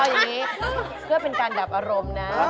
อย่างนี้เพื่อเป็นการดับอารมณ์นะ